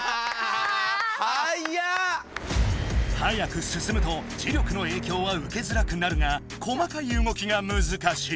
速く進むと磁力の影響は受けづらくなるが細かいうごきがむずかしい。